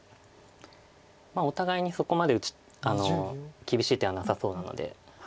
お互いにそこまで厳しい手はなさそうなので。